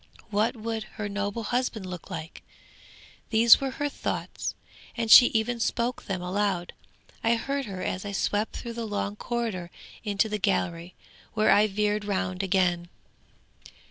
What would her noble husband look like? These were her thoughts, and she even spoke them aloud; I heard her as I swept through the long corridor into the gallery, where I veered round again.